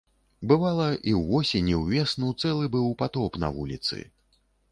Бывала, і ўвосень, і ўвесну цэлы быў патоп на вуліцы.